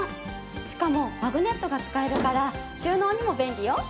しかもマグネットが使えるから収納にも便利よ。